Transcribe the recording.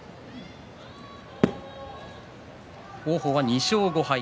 王鵬は２勝５敗